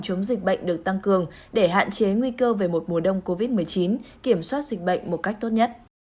chống dịch bệnh được tăng cường để hạn chế nguy cơ về một mùa đông covid một mươi chín kiểm soát dịch bệnh một cách tốt nhất